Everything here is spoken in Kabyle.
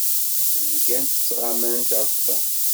Zgant ttɣamant ar ṭṭaq.